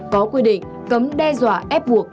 có quy định cấm đe dọa ép buộc